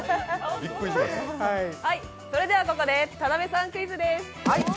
それではここで田辺さんクイズです。